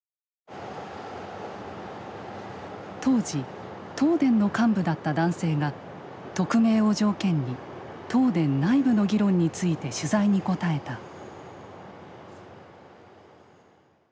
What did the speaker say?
当時東電の幹部だった男性が匿名を条件に東電内部の議論について取材に答えた。